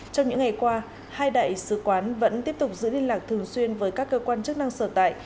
trong những ngày qua hai đại sứ quán vẫn tiếp tục giữ liên lạc thường xuyên với các cơ quan chức năng sở tại